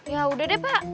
ya udah deh pak